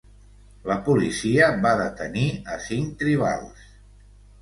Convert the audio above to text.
La policia va detenir a cinc tribals.